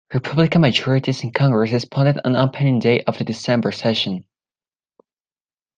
Republican majorities in Congress responded on opening day of the December Session.